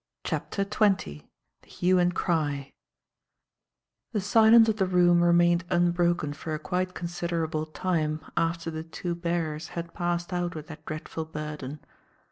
CHAPTER XX THE HUE AND CRY THE silence of the room remained unbroken for a quite considerable time after the two bearers had passed out with their dreadful burden.